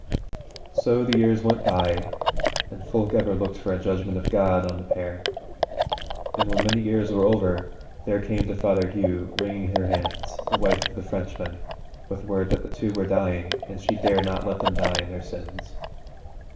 So the years went, and folk ever looked for a judgment of God on the pair. And when many years were over, there came to Father Hugh, wringing her hands, the wife of the Frenchman, with word that the two were dying, and she dared not let them die in their sins.